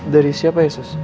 dari siapa ya sus